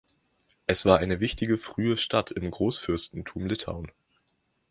Es war eine wichtige frühe Stadt im Großfürstentum Litauen.